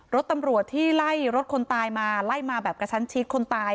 รถตำรวจที่ไล่รถคนตายมาไล่มาแบบกระชั้นชิดคนตาย